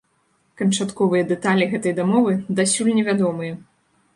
Канчатковыя дэталі гэтай дамовы дасюль не вядомыя.